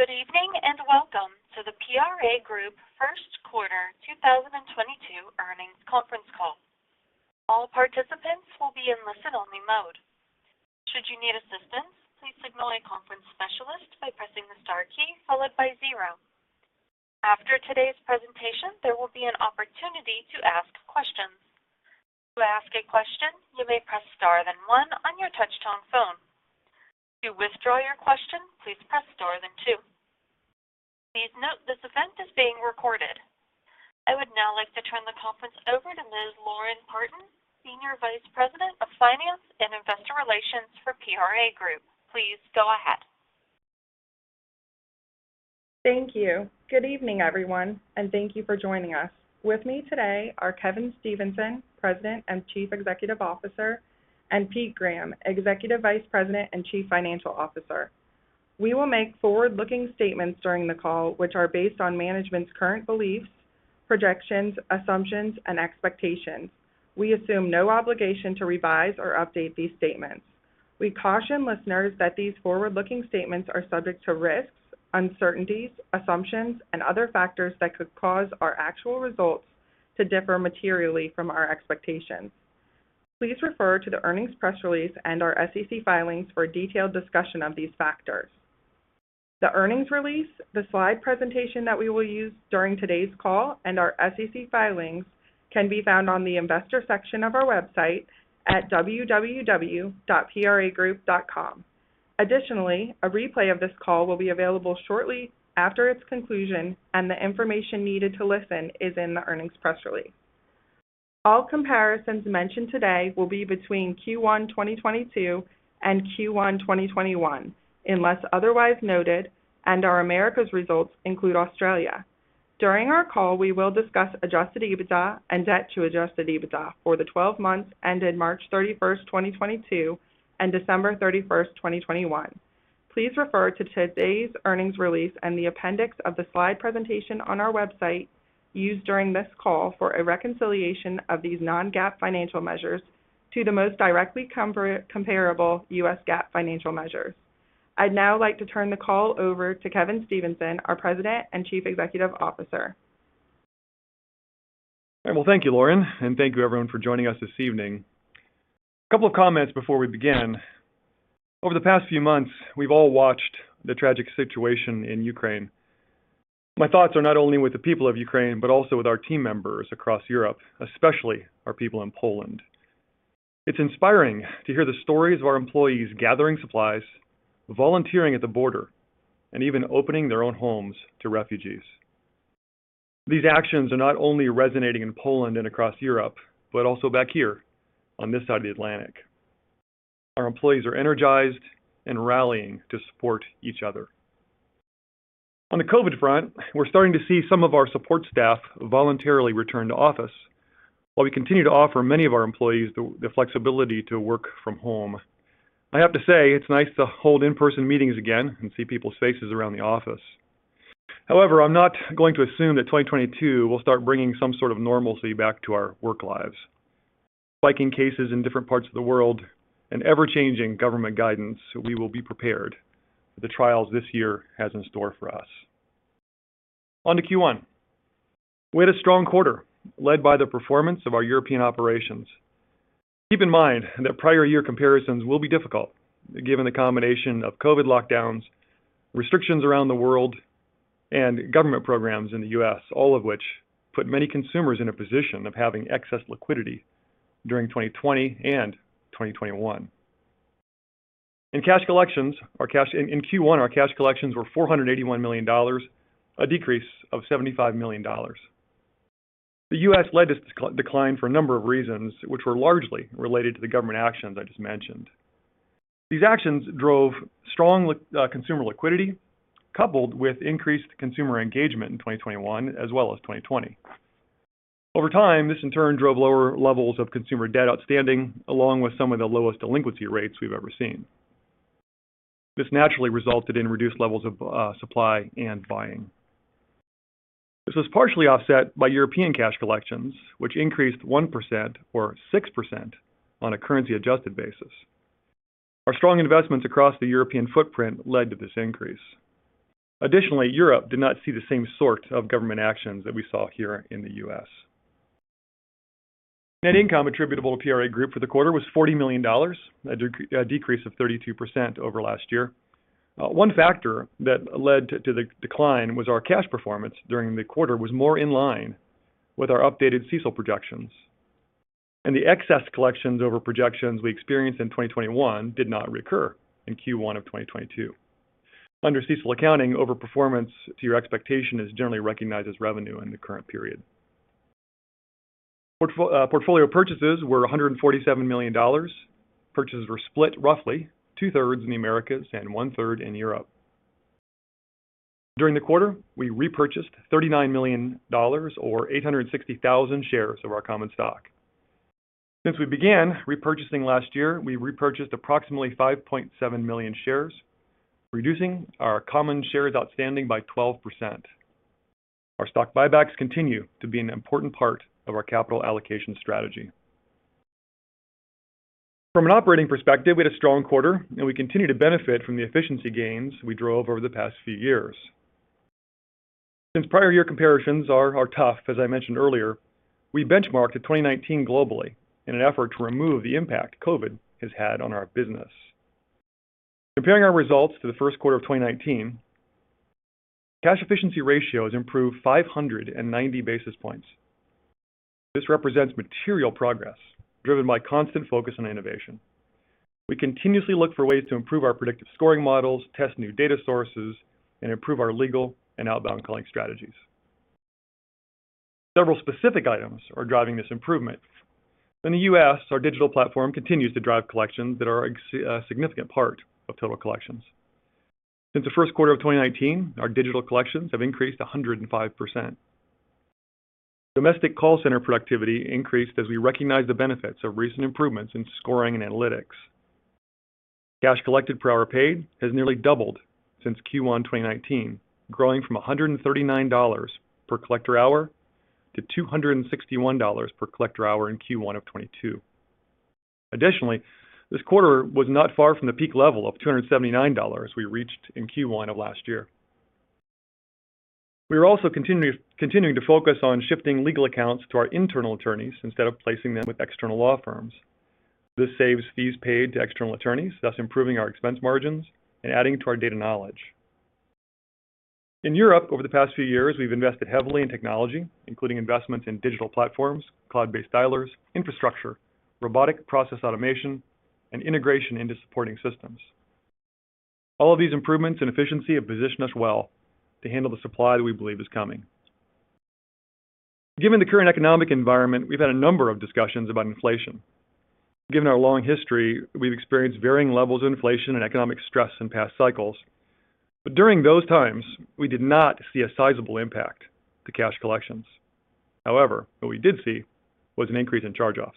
Good evening, and welcome to the PRA Group first quarter 2022 earnings conference call. All participants will be in listen-only mode. Should you need assistance, please signal a conference specialist by pressing the star key followed by zero. After today's presentation, there will be an opportunity to ask questions. To ask a question, you may press star then one on your touchtone phone. To withdraw your question, please press star then two. Please note this event is being recorded. I would now like to turn the conference over to Ms. Lauren Partin, Senior Vice President of Finance and Investor Relations for PRA Group. Please go ahead. Thank you. Good evening, everyone, and thank you for joining us. With me today are Kevin Stevenson, President and Chief Executive Officer, and Pete Graham, Executive Vice President and Chief Financial Officer. We will make forward-looking statements during the call, which are based on management's current beliefs, projections, assumptions, and expectations. We assume no obligation to revise or update these statements. We caution listeners that these forward-looking statements are subject to risks, uncertainties, assumptions, and other factors that could cause our actual results to differ materially from our expectations. Please refer to the earnings press release and our SEC filings for a detailed discussion of these factors. The earnings release, the slide presentation that we will use during today's call, and our SEC filings can be found on the Investor section of our website at www.pragroup.com. Additionally, a replay of this call will be available shortly after its conclusion, and the information needed to listen is in the earnings press release. All comparisons mentioned today will be between Q1 2022 and Q1 2021, unless otherwise noted, and our Americas results include Australia. During our call, we will discuss adjusted EBITDA and debt to adjusted EBITDA for the 12 months ended March 31, 2022 and December 31, 2021. Please refer to today's earnings release and the appendix of the slide presentation on our website used during this call for a reconciliation of these non-GAAP financial measures to the most directly comparable US GAAP financial measures. I'd now like to turn the call over to Kevin Stevenson, our President and Chief Executive Officer. Well, thank you, Lauren, and thank you everyone for joining us this evening. A couple of comments before we begin. Over the past few months, we've all watched the tragic situation in Ukraine. My thoughts are not only with the people of Ukraine, but also with our team members across Europe, especially our people in Poland. It's inspiring to hear the stories of our employees gathering supplies, volunteering at the border, and even opening their own homes to refugees. These actions are not only resonating in Poland and across Europe, but also back here on this side of the Atlantic. Our employees are energized and rallying to support each other. On the COVID front, we're starting to see some of our support staff voluntarily return to office while we continue to offer many of our employees the flexibility to work from home. I have to say it's nice to hold in-person meetings again and see people's faces around the office. However, I'm not going to assume that 2022 will start bringing some sort of normalcy back to our work lives. Spiking cases in different parts of the world and ever-changing government guidance, we will be prepared for the trials this year has in store for us. On to Q1. We had a strong quarter led by the performance of our European operations. Keep in mind that prior year comparisons will be difficult given the combination of COVID lockdowns, restrictions around the world, and government programs in the U.S., all of which put many consumers in a position of having excess liquidity during 2020 and 2021. In Q1, our cash collections were $481 million, a decrease of $75 million. The U.S. led this decline for a number of reasons, which were largely related to the government actions I just mentioned. These actions drove strong consumer liquidity, coupled with increased consumer engagement in 2021 as well as 2020. Over time, this in turn drove lower levels of consumer debt outstanding, along with some of the lowest delinquency rates we've ever seen. This naturally resulted in reduced levels of supply and buying. This was partially offset by European cash collections, which increased 1% or 6% on a currency adjusted basis. Our strong investments across the European footprint led to this increase. Additionally, Europe did not see the same sort of government actions that we saw here in the U.S. Net income attributable to PRA Group for the quarter was $40 million, a decrease of 32% over last year. One factor that led to the decline was our cash performance during the quarter was more in line with our updated CECL projections. The excess collections over projections we experienced in 2021 did not recur in Q1 of 2022. Under CECL accounting, overperformance to your expectation is generally recognized as revenue in the current period. Portfolio purchases were $147 million. Purchases were split roughly two-thirds in the Americas and one-third in Europe. During the quarter, we repurchased $39 million or 860,000 shares of our common stock. Since we began repurchasing last year, we repurchased approximately 5.7 million shares, reducing our common shares outstanding by 12%. Our stock buybacks continue to be an important part of our capital allocation strategy. From an operating perspective, we had a strong quarter and we continue to benefit from the efficiency gains we drove over the past few years. Since prior year comparisons are tough, as I mentioned earlier, we benchmarked at 2019 globally in an effort to remove the impact COVID has had on our business. Comparing our results to the first quarter of 2019, cash efficiency ratios improved 590 basis points. This represents material progress driven by constant focus on innovation. We continuously look for ways to improve our predictive scoring models, test new data sources, and improve our legal and outbound calling strategies. Several specific items are driving this improvement. In the U.S., our digital platform continues to drive collections that are a significant part of total collections. Since the first quarter of 2019, our digital collections have increased 105%. Domestic call center productivity increased as we recognize the benefits of recent improvements in scoring and analytics. Cash collected per hour paid has nearly doubled since Q1 2019, growing from $139 per collector hour to $261 per collector hour in Q1 of 2022. Additionally, this quarter was not far from the peak level of $279 we reached in Q1 of last year. We are also continuing to focus on shifting legal accounts to our internal attorneys instead of placing them with external law firms. This saves fees paid to external attorneys, thus improving our expense margins and adding to our data knowledge. In Europe, over the past few years, we've invested heavily in technology, including investments in digital platforms, cloud-based dialers, infrastructure, robotic process automation, and integration into supporting systems. All of these improvements in efficiency have positioned us well to handle the supply that we believe is coming. Given the current economic environment, we've had a number of discussions about inflation. Given our long history, we've experienced varying levels of inflation and economic stress in past cycles. During those times, we did not see a sizable impact to cash collections. However, what we did see was an increase in charge-offs.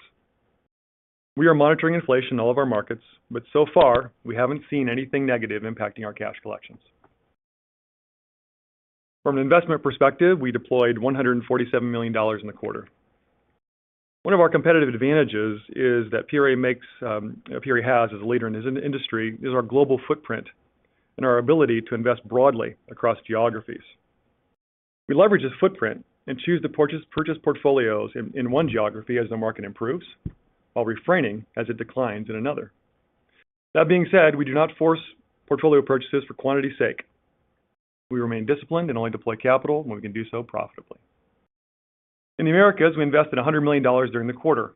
We are monitoring inflation in all of our markets, but so far we haven't seen anything negative impacting our cash collections. From an investment perspective, we deployed $147 million in the quarter. One of our competitive advantages is that PRA has, as a leader in this industry, our global footprint and our ability to invest broadly across geographies. We leverage this footprint and choose to purchase portfolios in one geography as the market improves while refraining as it declines in another. That being said, we do not force portfolio purchases for quantity sake. We remain disciplined and only deploy capital when we can do so profitably. In the Americas, we invested $100 million during the quarter.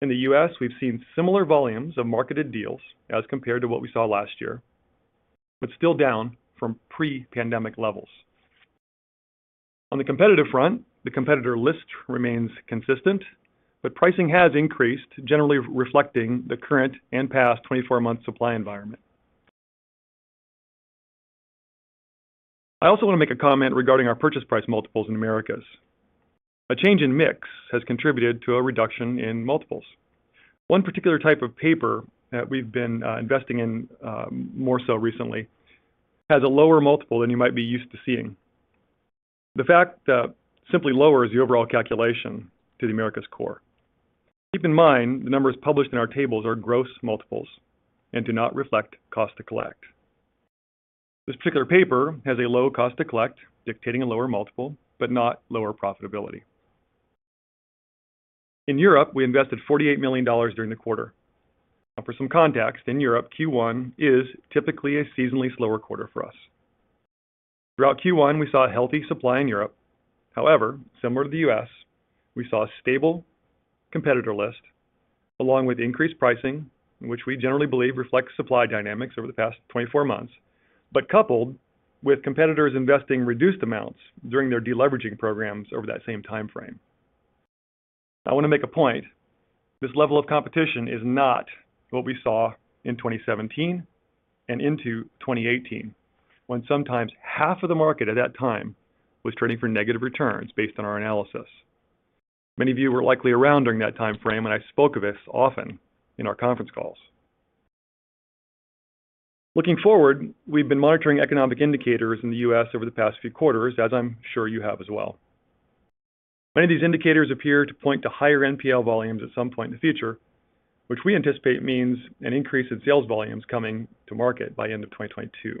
In the US, we've seen similar volumes of marketed deals as compared to what we saw last year, but still down from pre-pandemic levels. On the competitive front, the competitor list remains consistent, but pricing has increased, generally reflecting the current and past 24-month supply environment. I also want to make a comment regarding our purchase price multiples in Americas. A change in mix has contributed to a reduction in multiples. One particular type of paper that we've been investing in more so recently has a lower multiple than you might be used to seeing. The fact that simply lowers the overall calculation to the Americas core. Keep in mind the numbers published in our tables are gross multiples and do not reflect cost to collect. This particular paper has a low cost to collect, dictating a lower multiple, but not lower profitability. In Europe, we invested $48 million during the quarter. Now for some context, in Europe, Q1 is typically a seasonally slower quarter for us. Throughout Q1, we saw a healthy supply in Europe. However, similar to the U.S., we saw a stable competitor list along with increased pricing, which we generally believe reflects supply dynamics over the past 24 months, but coupled with competitors investing reduced amounts during their deleveraging programs over that same time frame. I want to make a point. This level of competition is not what we saw in 2017 and into 2018, when sometimes half of the market at that time was trading for negative returns based on our analysis. Many of you were likely around during that time frame when I spoke of this often in our conference calls. Looking forward, we've been monitoring economic indicators in the U.S. over the past few quarters, as I'm sure you have as well. Many of these indicators appear to point to higher NPL volumes at some point in the future, which we anticipate means an increase in sales volumes coming to market by end of 2022.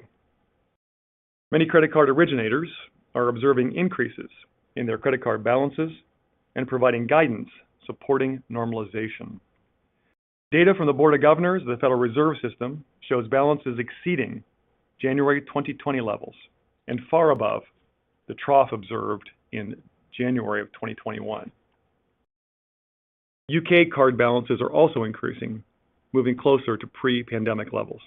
Many credit card originators are observing increases in their credit card balances and providing guidance supporting normalization. Data from the Board of Governors of the Federal Reserve System shows balances exceeding January 2020 levels and far above the trough observed in January of 2021. UK card balances are also increasing, moving closer to pre-pandemic levels.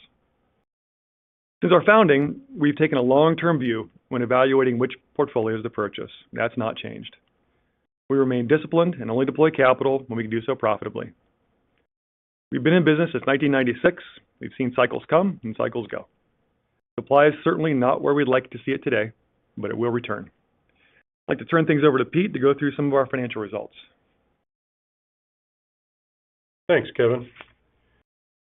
Since our founding, we've taken a long-term view when evaluating which portfolios to purchase. That's not changed. We remain disciplined and only deploy capital when we can do so profitably. We've been in business since 1996. We've seen cycles come and cycles go. Supply is certainly not where we'd like to see it today, but it will return. I'd like to turn things over to Pete to go through some of our financial results. Thanks, Kevin.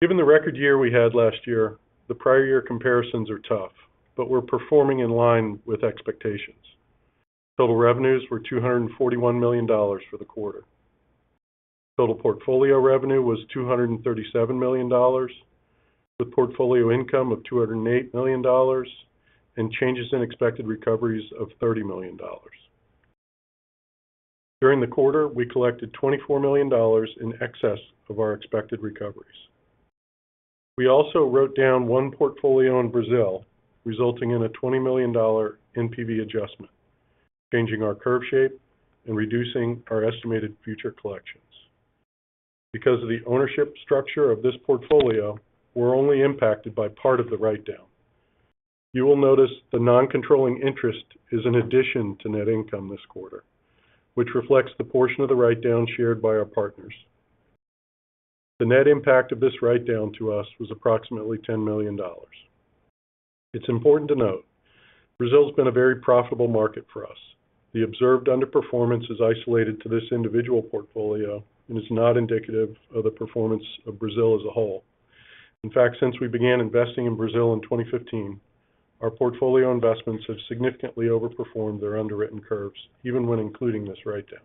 Given the record year we had last year, the prior year comparisons are tough, but we're performing in line with expectations. Total revenues were $241 million for the quarter. Total portfolio revenue was $237 million, with portfolio income of $208 million, and changes in expected recoveries of $30 million. During the quarter, we collected $24 million in excess of our expected recoveries. We also wrote down one portfolio in Brazil, resulting in a $20 million NPV adjustment, changing our curve shape and reducing our estimated future collections. Because of the ownership structure of this portfolio, we're only impacted by part of the write-down. You will notice the non-controlling interest is an addition to net income this quarter, which reflects the portion of the write-down shared by our partners. The net impact of this write-down to us was approximately $10 million. It's important to note, Brazil has been a very profitable market for us. The observed underperformance is isolated to this individual portfolio and is not indicative of the performance of Brazil as a whole. In fact, since we began investing in Brazil in 2015, our portfolio investments have significantly overperformed their underwritten curves, even when including this write-down.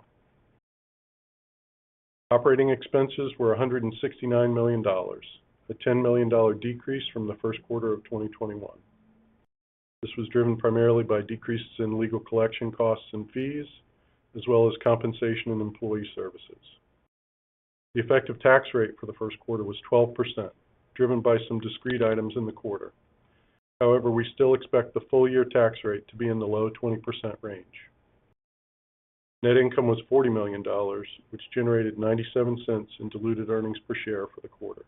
Operating expenses were $169 million, a $10 million decrease from the first quarter of 2021. This was driven primarily by decreases in legal collection costs and fees, as well as compensation and employee services. The effective tax rate for the first quarter was 12%, driven by some discrete items in the quarter. However, we still expect the full-year tax rate to be in the low 20% range. Net income was $40 million, which generated $0.97 in diluted earnings per share for the quarter.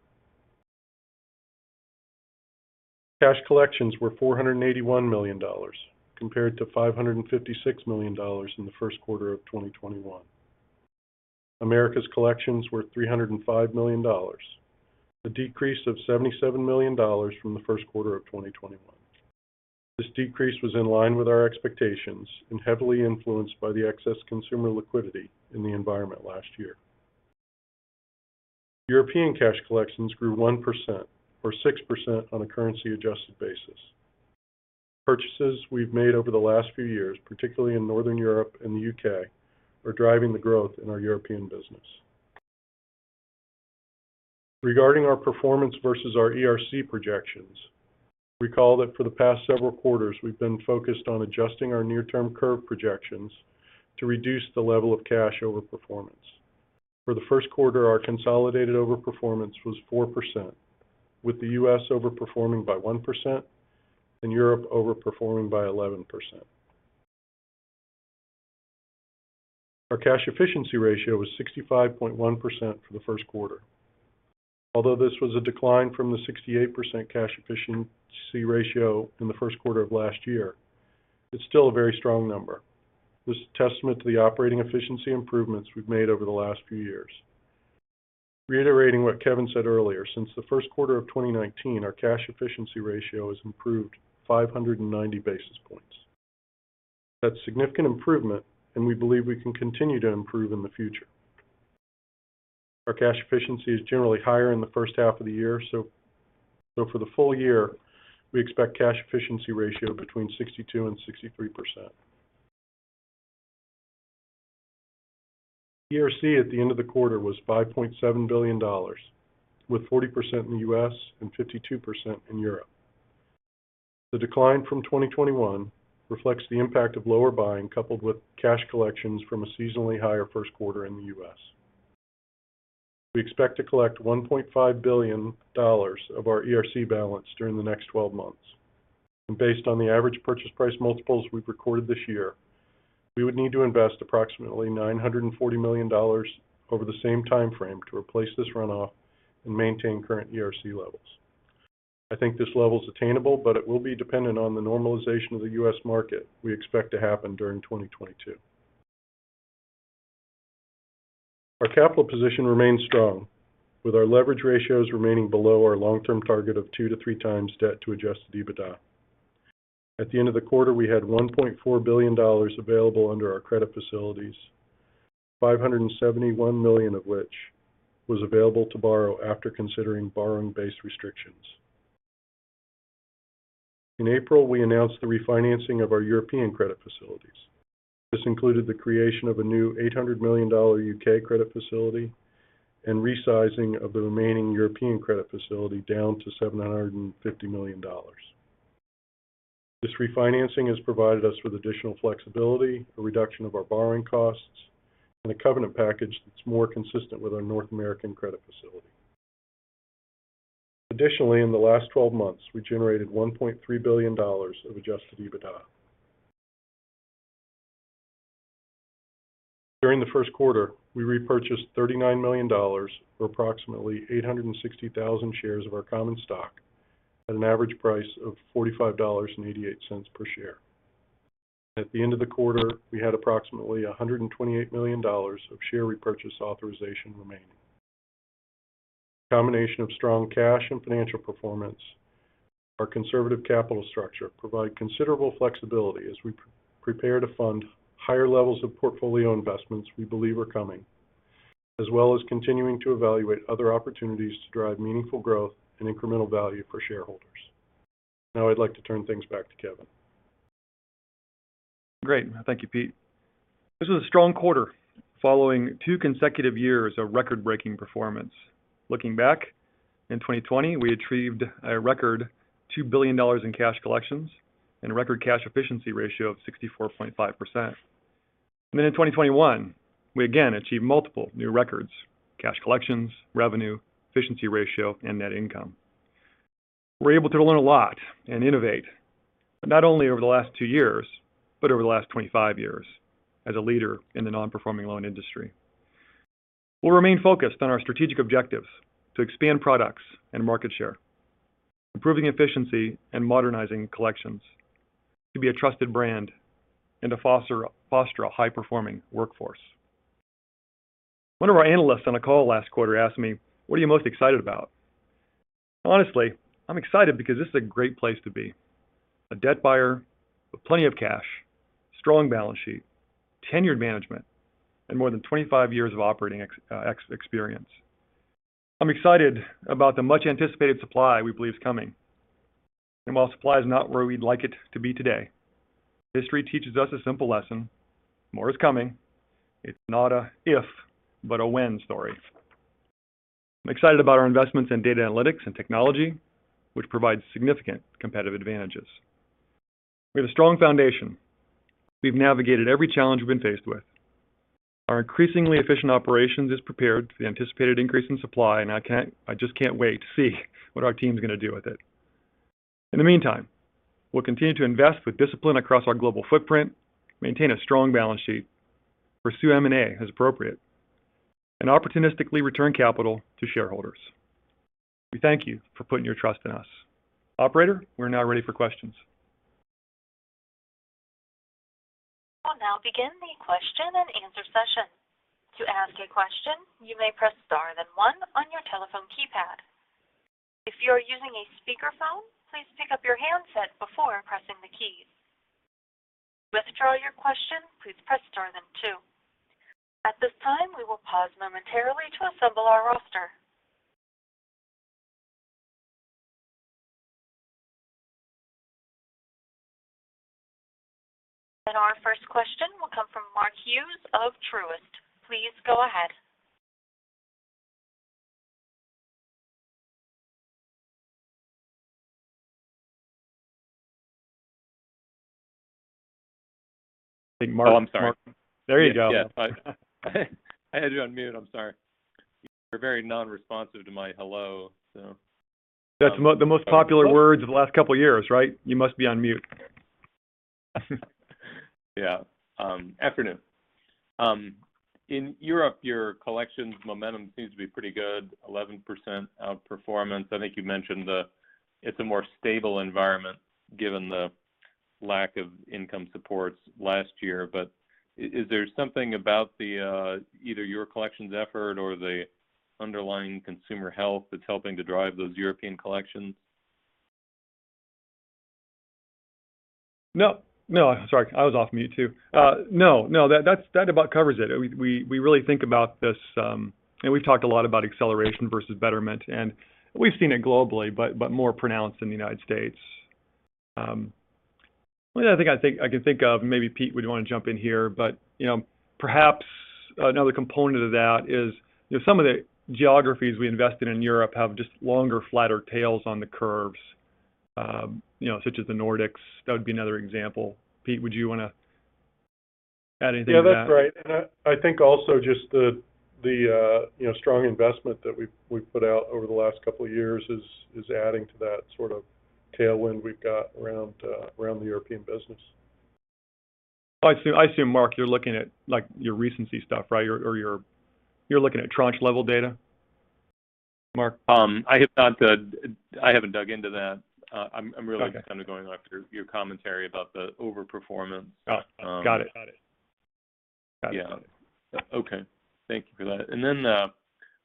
Cash collections were $481 million compared to $556 million in the first quarter of 2021. Americas collections were $305 million, a decrease of $77 million from the first quarter of 2021. This decrease was in line with our expectations and heavily influenced by the excess consumer liquidity in the environment last year. European cash collections grew 1% or 6% on a currency-adjusted basis. Purchases we've made over the last few years, particularly in Northern Europe and the UK, are driving the growth in our European business. Regarding our performance versus our ERC projections, recall that for the past several quarters, we've been focused on adjusting our near-term curve projections to reduce the level of cash overperformance. For the first quarter, our consolidated overperformance was 4%, with the U.S. overperforming by 1% and Europe overperforming by 11%. Our cash efficiency ratio was 65.1% for the first quarter. Although this was a decline from the 68% cash efficiency ratio in the first quarter of last year, it's still a very strong number. This is a testament to the operating efficiency improvements we've made over the last few years. Reiterating what Kevin said earlier, since the first quarter of 2019, our cash efficiency ratio has improved 590 basis points. That's significant improvement, and we believe we can continue to improve in the future. Our cash efficiency is generally higher in the first half of the year, so for the full year, we expect cash efficiency ratio between 62% and 63%. ERC at the end of the quarter was $5.7 billion, with 40% in the U.S. and 52% in Europe. The decline from 2021 reflects the impact of lower buying coupled with cash collections from a seasonally higher first quarter in the U.S. We expect to collect $1.5 billion of our ERC balance during the next twelve months. Based on the average purchase price multiples we've recorded this year, we would need to invest approximately $940 million over the same time frame to replace this runoff and maintain current ERC levels. I think this level is attainable, but it will be dependent on the normalization of the U.S. market we expect to happen during 2022. Our capital position remains strong, with our leverage ratios remaining below our long-term target of 2-3x debt to adjusted EBITDA. At the end of the quarter, we had $1.4 billion available under our credit facilities, $571 million of which was available to borrow after considering borrowing base restrictions. In April, we announced the refinancing of our European credit facilities. This included the creation of a new $800 million U.K. credit facility and resizing of the remaining European credit facility down to $750 million. This refinancing has provided us with additional flexibility, a reduction of our borrowing costs, and a covenant package that's more consistent with our North American credit facility. Additionally, in the last 12 months, we generated $1.3 billion of adjusted EBITDA. During the first quarter, we repurchased $39 million or approximately 860,000 shares of our common stock at an average price of $45.88 per share. At the end of the quarter, we had approximately $128 million of share repurchase authorization remaining. A combination of strong cash and financial performance. Our conservative capital structure provide considerable flexibility as we prepare to fund higher levels of portfolio investments we believe are coming, as well as continuing to evaluate other opportunities to drive meaningful growth and incremental value for shareholders. Now I'd like to turn things back to Kevin. Great. Thank you, Pete. This was a strong quarter following two consecutive years of record-breaking performance. Looking back, in 2020, we achieved a record $2 billion in cash collections and a record cash efficiency ratio of 64.5%. In 2021, we again achieved multiple new records, cash collections, revenue, efficiency ratio, and net income. We were able to learn a lot and innovate not only over the last two years, but over the last 25 years as a leader in the non-performing loan industry. We'll remain focused on our strategic objectives to expand products and market share, improving efficiency and modernizing collections to be a trusted brand and to foster a high-performing workforce. One of our analysts on a call last quarter asked me, "What are you most excited about?" Honestly, I'm excited because this is a great place to be. A debt buyer with plenty of cash, strong balance sheet, tenured management, and more than 25 years of operating experience. I'm excited about the much-anticipated supply we believe is coming. While supply is not where we'd like it to be today, history teaches us a simple lesson. More is coming. It's not a if, but a when story. I'm excited about our investments in data analytics and technology, which provides significant competitive advantages. We have a strong foundation. We've navigated every challenge we've been faced with. Our increasingly efficient operations is prepared for the anticipated increase in supply, and I just can't wait to see what our team's gonna do with it. In the meantime, we'll continue to invest with discipline across our global footprint, maintain a strong balance sheet, pursue M&A as appropriate, and opportunistically return capital to shareholders. We thank you for putting your trust in us. Operator, we're now ready for questions. We'll now begin the question and answer session. To ask a question, you may press star then one on your telephone keypad. If you are using a speakerphone, please pick up your handset before pressing the keys. To withdraw your question, please press star then two. At this time, we will pause momentarily to assemble our roster. Our first question will come from Mark Hughes of Truist. Please go ahead. I think Mark. Oh, I'm sorry. There you go. Yes. I had you on mute. I'm sorry. You were very non-responsive to my hello, so. That's the most popular words of the last couple of years, right? You must be on mute. Yeah. Afternoon. In Europe, your collections momentum seems to be pretty good, 11% outperformance. I think you mentioned it's a more stable environment given the lack of income supports last year. Is there something about the either your collections effort or the underlying consumer health that's helping to drive those European collections? No. Sorry. I was off mute, too. No. That about covers it. We really think about this. We've talked a lot about acceleration versus betterment, and we've seen it globally, but more pronounced in the United States. I think I can think of, maybe Pete, would you want to jump in here? You know, perhaps another component of that is, you know, some of the geographies we invested in Europe have just longer, flatter tails on the curves, you know, such as the Nordics. That would be another example. Pete, would you wanna add anything to that? Yeah, that's right. I think also just the you know, strong investment that we've put out over the last couple of years is adding to that sort of tailwind we've got around the European business. I assume Mark you're looking at, like, your recency stuff, right? Or you're looking at tranche level data, Mark? I haven't dug into that. I'm really Okay. Just kind of going after your commentary about the overperformance. Oh, got it. Um... Got it. Yeah. Okay. Thank you for that.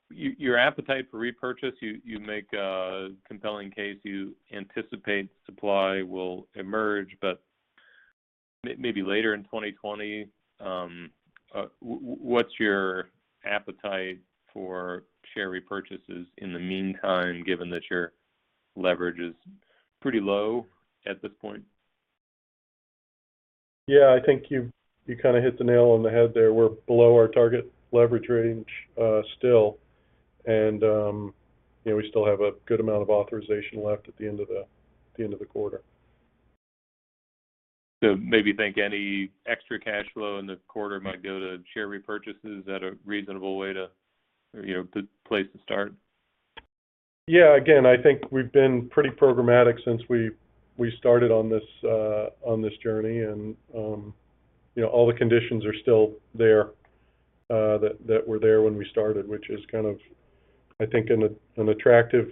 Your appetite for repurchase, you make a compelling case. You anticipate supply will emerge, but maybe later in 2020. What's your appetite for share repurchases in the meantime, given that your leverage is pretty low at this point? Yeah. I think you kinda hit the nail on the head there. We're below our target leverage range, still. You know, we still have a good amount of authorization left at the end of the quarter. Maybe think any extra cash flow in the quarter might go to share repurchases. Is that a reasonable way to, you know, good place to start? Yeah. Again, I think we've been pretty programmatic since we started on this journey. You know, all the conditions are still there that were there when we started, which is kind of I think an attractive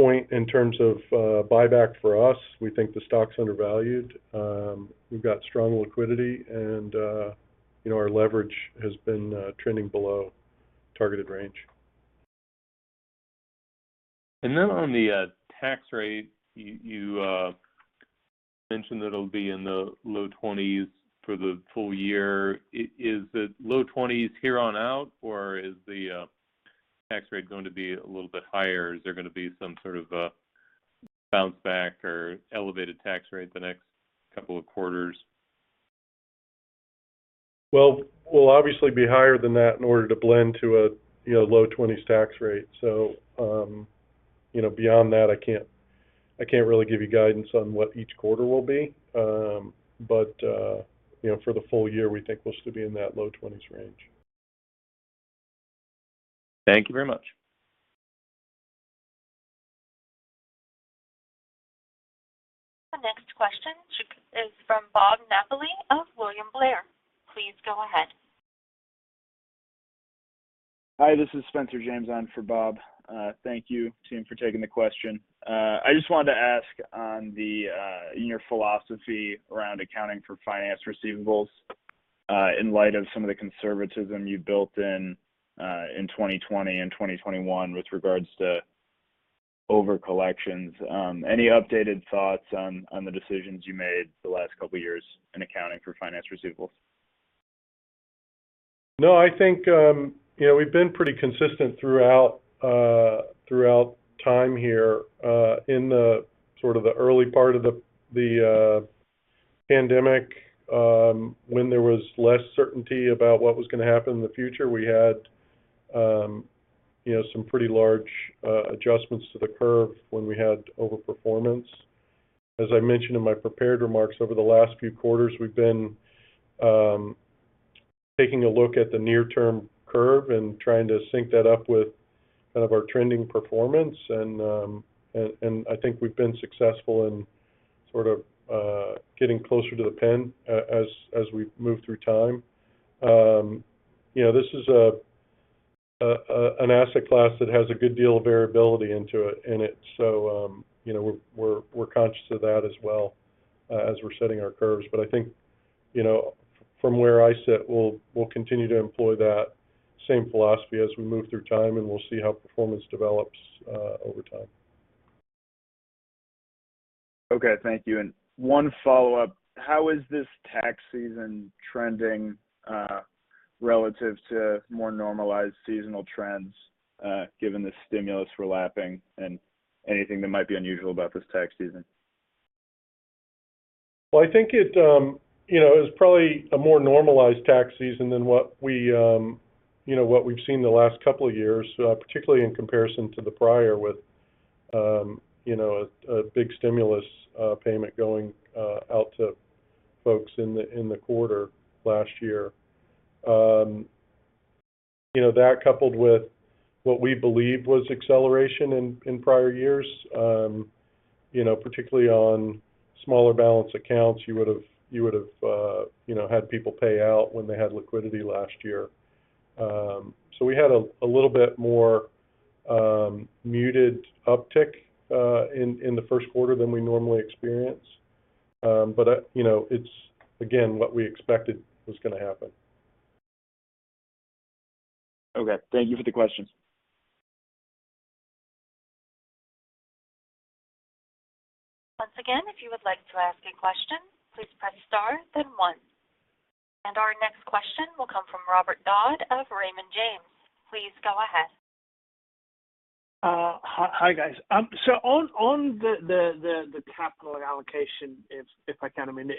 point in terms of buyback for us. We think the stock's undervalued. We've got strong liquidity and you know, our leverage has been trending below targeted range. On the tax rate, you mentioned that it'll be in the low 20s% for the full year. Is it low 20s% here on out, or is the tax rate going to be a little bit higher? Is there gonna be some sort of a bounce back or elevated tax rate the next couple of quarters? Well, we'll obviously be higher than that in order to blend to a, you know, low twenties tax rate. You know, beyond that, I can't really give you guidance on what each quarter will be. You know, for the full year, we think we'll still be in that low twenties range. Thank you very much. Our next question is from Bob Napoli of William Blair. Please go ahead. Hi, this is Spencer James on for Bob. Thank you, Tim, for taking the question. I just wanted to ask on the in your philosophy around accounting for finance receivables in light of some of the conservatism you built in in 2020 and 2021 with regards to over collections. Any updated thoughts on the decisions you made the last couple of years in accounting for finance receivables? No, I think, you know, we've been pretty consistent throughout time here, in the sort of early part of the pandemic, when there was less certainty about what was gonna happen in the future. We had, you know, some pretty large adjustments to the curve when we had overperformance. As I mentioned in my prepared remarks, over the last few quarters, we've been taking a look at the near term curve and trying to sync that up with kind of our trending performance. I think we've been successful in sort of getting closer to the pin as we move through time. You know, this is an asset class that has a good deal of variability in it. You know, we're conscious of that as well, as we're setting our curves. But I think, you know, from where I sit, we'll continue to employ that same philosophy as we move through time, and we'll see how performance develops over time. Okay. Thank you. One follow-up. How is this tax season trending, relative to more normalized seasonal trends, given the stimulus we're lapping and anything that might be unusual about this tax season? Well, I think, you know, it was probably a more normalized tax season than what we, you know, what we've seen the last couple of years, particularly in comparison to the prior with, you know, a big stimulus payment going out to folks in the quarter last year. You know, that coupled with what we believe was acceleration in prior years, you know, particularly on smaller balance accounts, you would've, you know, had people pay out when they had liquidity last year. We had a little bit more muted uptick in the first quarter than we normally experience. You know, it's again what we expected was gonna happen. Okay. Thank you for the question. Once again, if you would like to ask a question, please press star then one. Our next question will come from Robert Dodd of Raymond James. Please go ahead. Hi, guys. On the capital allocation, if I can, I mean,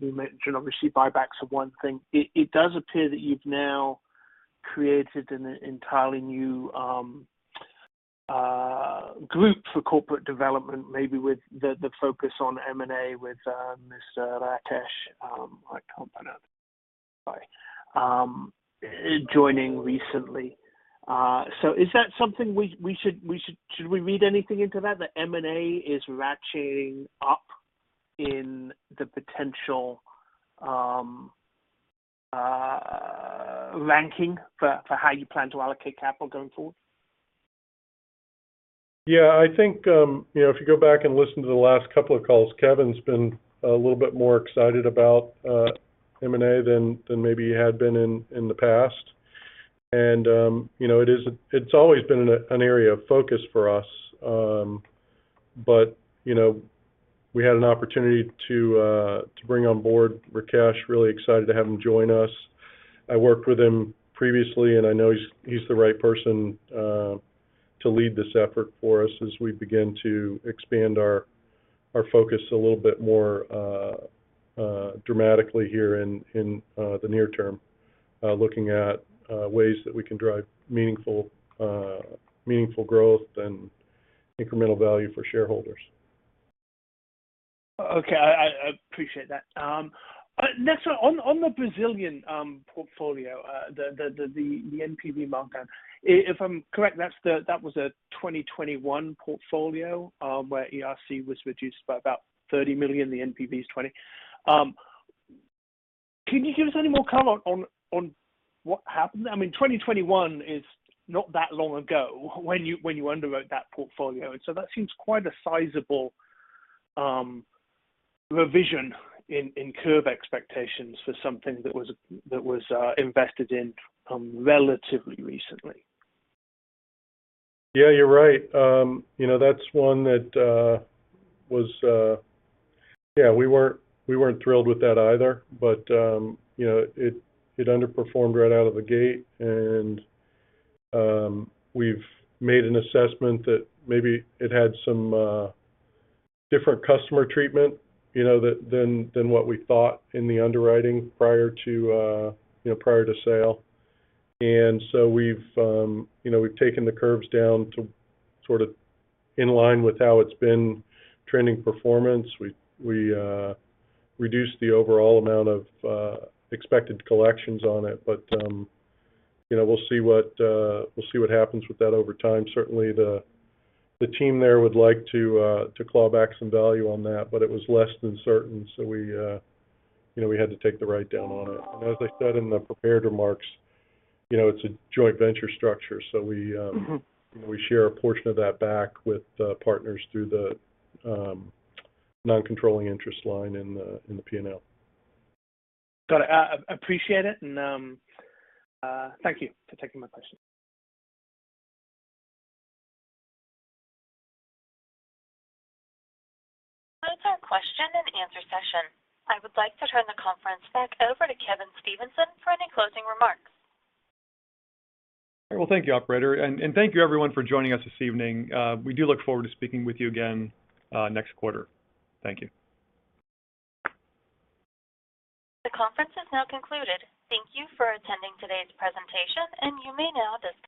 you mentioned obviously buybacks are one thing. It does appear that you've now created an entirely new group for corporate development, maybe with the focus on M&A with Mr. Rakesh joining recently. Is that something we should read anything into, that M&A is ratcheting up in the potential ranking for how you plan to allocate capital going forward? Yeah, I think, you know, if you go back and listen to the last couple of calls, Kevin's been a little bit more excited about M&A than maybe he had been in the past. You know, it's always been an area of focus for us. You know, we had an opportunity to bring on board Rakesh. Really excited to have him join us. I worked with him previously, and I know he's the right person to lead this effort for us as we begin to expand our focus a little bit more dramatically here in the near term, looking at ways that we can drive meaningful growth and incremental value for shareholders. Okay. I appreciate that. Next one. On the Brazilian portfolio, the NPV markdown. If I'm correct, that was a 2021 portfolio, where ERC was reduced by about $30 million, the NPV is $20. Can you give us any more color on what happened? I mean, 2021 is not that long ago when you underwrote that portfolio. That seems quite a sizable. Revision in curve expectations for something that was invested in relatively recently. Yeah, you're right. You know, that's one that was. Yeah, we weren't thrilled with that either. You know, it underperformed right out of the gate. We've made an assessment that maybe it had some different customer treatment, you know, than what we thought in the underwriting prior to sale. We've taken the curves down to sort of in line with how it's been trending performance. We reduced the overall amount of expected collections on it. You know, we'll see what happens with that over time. Certainly the team there would like to claw back some value on that, but it was less than certain, so you know, we had to take the write down on it. As I said in the prepared remarks, you know, it's a joint venture structure, so we Mm-hmm We share a portion of that back with partners through the non-controlling interest line in the P&L. Got it. Appreciate it and thank you for taking my question. That's our question and answer session. I would like to turn the conference back over to Kevin Stevenson for any closing remarks. Well, thank you, operator. Thank you everyone for joining us this evening. We do look forward to speaking with you again next quarter. Thank you. The conference is now concluded. Thank you for attending today's presentation, and you may now disconnect.